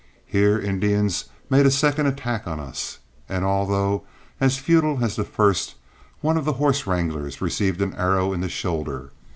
Here Indians made a second attack on us, and although as futile as the first, one of the horse wranglers received an arrow in the shoulder.